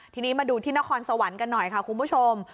ทีนี้มาดูที่นครสวรรค์กันหน่อยค่ะคุณผู้ชม